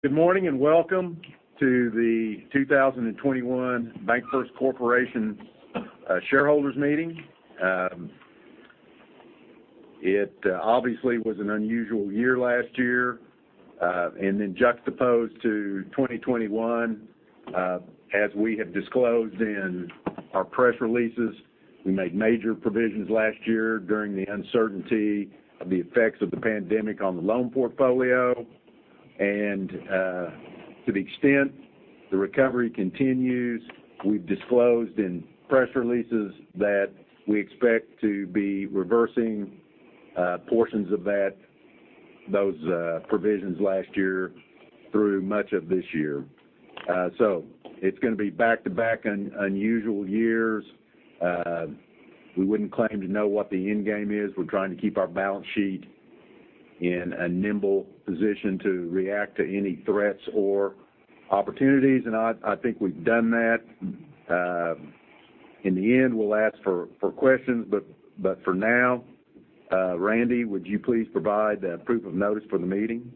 Good morning, welcome to the 2021 BancFirst Corporation Shareholders Meeting. It obviously was an unusual year last year, and then juxtaposed to 2021, as we have disclosed in our press releases, we made major provisions last year during the uncertainty of the effects of the pandemic on the loan portfolio. To the extent the recovery continues, we've disclosed in press releases that we expect to be reversing portions of those provisions last year through much of this year. It's going to be back-to-back unusual years. We wouldn't claim to know what the end game is. We're trying to keep our balance sheet in a nimble position to react to any threats or opportunities, and I think we've done that. In the end, we'll ask for questions, but for now, Randy, would you please provide proof of notice for the meeting?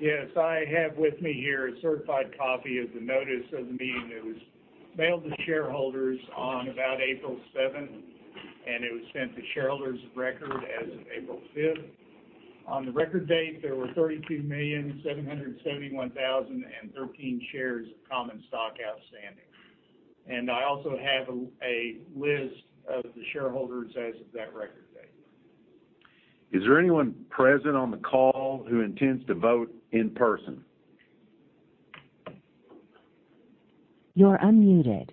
Yes. I have with me here a certified copy of the notice of the meeting that was mailed to shareholders on about April 7th. It was sent to shareholders of record as of April 5th. On the record date, there were 32,771,013 shares of common stock outstanding. I also have a list of the shareholders as of that record date. Is there anyone present on the call who intends to vote in person? You're unmuted.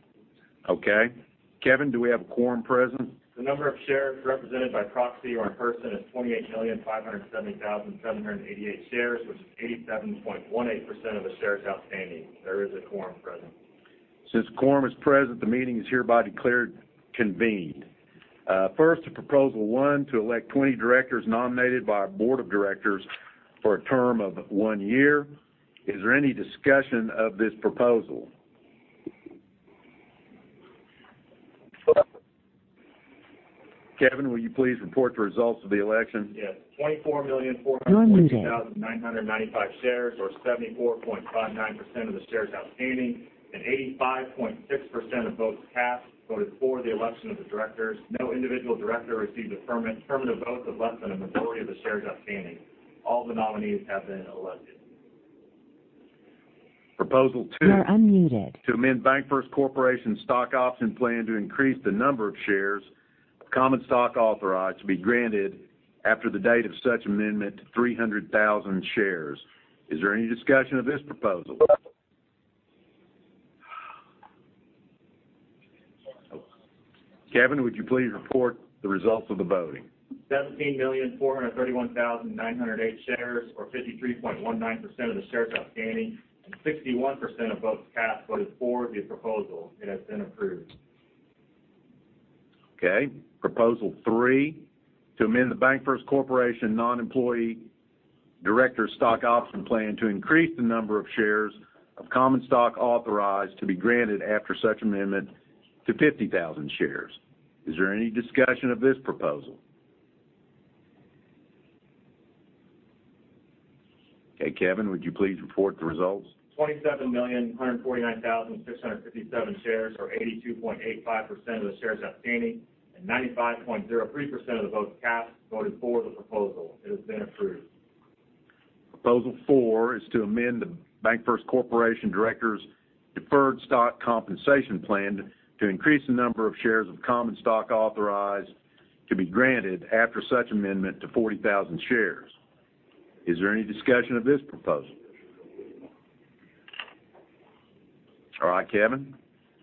Okay. Kevin, do we have a quorum present? The number of shares represented by proxy or in person is 28,570,788 shares, which is 87.18% of the shares outstanding. There is a quorum present. Since a quorum is present, the meeting is hereby declared convened. First to proposal one, to elect 20 directors nominated by our board of directors for a term of one year. Is there any discussion of this proposal? Kevin, will you please report the results of the election? Yes. 24,460,995 shares, or 74.59% of the shares outstanding, and 85.6% of votes cast voted for the election of the directors. No individual director received a vote of less than a majority of the shares outstanding. All the nominees have been elected. Proposal two. You're unmuted. To amend BancFirst Corporation Stock Option Plan to increase the number of shares of common stock authorized to be granted after the date of such amendment to 300,000 shares. Is there any discussion of this proposal? Kevin, would you please report the results of the voting? 17,431,908 shares, or 53.19% of the shares outstanding, and 61% of votes cast voted for the proposal. It has been approved. Okay. Proposal three, to amend the BancFirst Corporation Non-Employee Director Stock Option Plan to increase the number of shares of common stock authorized to be granted after such amendment to 50,000 shares. Is there any discussion of this proposal? Okay, Kevin, would you please report the results? 27,149,657 shares, or 82.85% of the shares outstanding, and 95.03% of votes cast voted for the proposal. It has been approved. Proposal four is to amend the BancFirst Corporation Directors' Deferred Stock Compensation Plan to increase the number of shares of common stock authorized to be granted after such amendment to 40,000 shares. Is there any discussion of this proposal? All right, Kevin.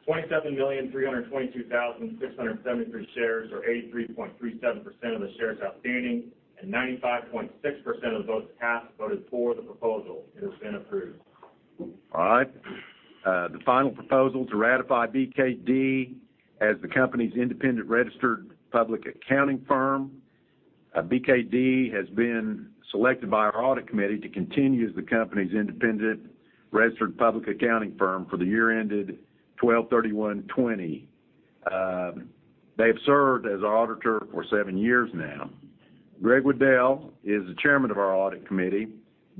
27,322,673 shares, or 83.37% of the shares outstanding, and 95.6% of votes cast voted for the proposal. It has been approved. All right. The final proposal to ratify BKD as the company's independent registered public accounting firm. BKD has been selected by our Audit Committee to continue as the company's independent registered public accounting firm for the year ended 12/31/2020. They've served as auditor for seven years now. Gregory G. Wedel is the Chairman of our Audit Committee.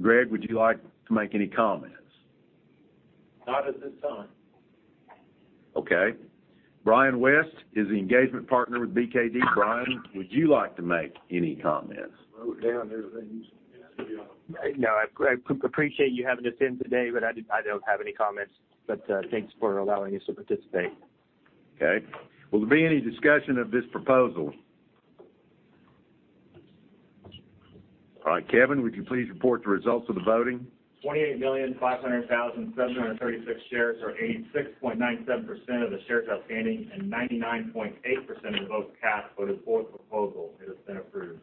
Greg, would you like to make any comments? Not at this time. Okay. Brian West is the engagement partner with BKD. Brian, would you like to make any comments? No, I appreciate you having us in today, but I don't have any comments, but thanks for allowing us to participate. Okay. Will there be any discussion of this proposal? All right. Kevin, would you please report the results of the voting? 28,500,736 shares, or 86.97% of the shares outstanding, and 99.8% of votes cast voted for the proposal. It has been approved.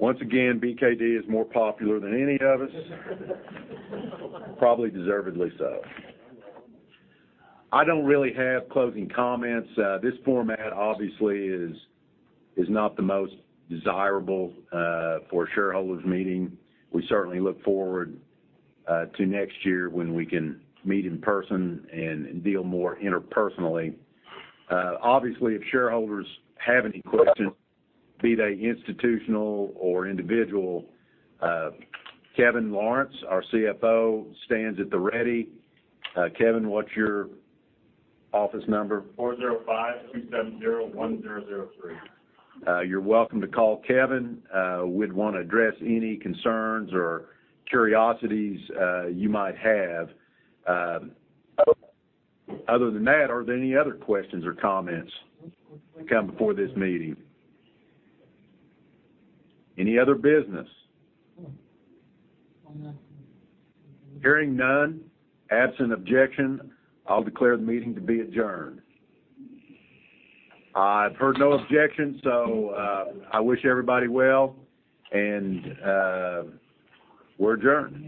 Once again, BKD is more popular than any of us. Probably deservedly so. I don't really have closing comments. This format obviously is not the most desirable for a shareholders meeting. We certainly look forward to next year when we can meet in person and deal more interpersonally. Obviously, if shareholders have any questions, be they institutional or individual, Kevin Lawrence, our CFO, stands at the ready. Kevin, what's your office number? 405-270-1003. You're welcome to call Kevin. We'd want to address any concerns or curiosities you might have. Other than that, are there any other questions or comments come before this meeting? Any other business? Hearing none, absent objection, I'll declare the meeting to be adjourned. I've heard no objection, So I wish everybody well, and we're adjourned.